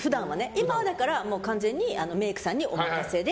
今は完全にメイクさんにお任せで。